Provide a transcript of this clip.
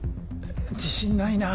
自信ないなぁ。